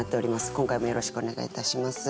今回もよろしくお願いいたします。